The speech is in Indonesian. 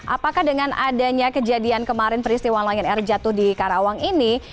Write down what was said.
apakah dengan adanya kejadian kemarin peristiwa langit air jatuh di karawang ini